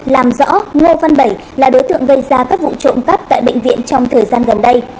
làm rõ ngô văn bảy là đối tượng gây ra các vụ trộm cắp tại bệnh viện trong thời gian gần đây